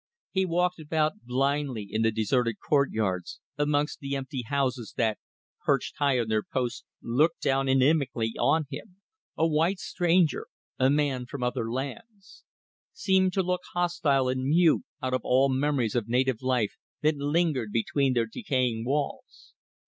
He walked about blindly in the deserted courtyards, amongst the empty houses that, perched high on their posts, looked down inimically on him, a white stranger, a man from other lands; seemed to look hostile and mute out of all the memories of native life that lingered between their decaying walls.